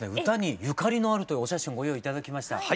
歌にゆかりのあるというお写真をご用意頂きました。